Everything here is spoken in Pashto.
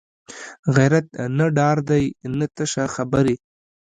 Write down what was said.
غیرت نه ډار دی نه تشه خبرې